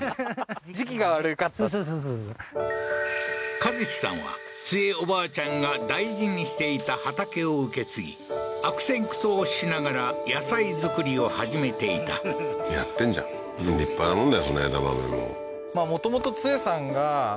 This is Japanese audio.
和司さんはツヱおばあちゃんが大事にしていた畑を受け継ぎ悪戦苦闘しながら野菜作りを始めていたやってんじゃん立派なもんだよ